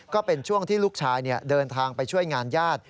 ก็เป็นช่วงที่ลูกชายเดินทางไปช่วยงานญาติ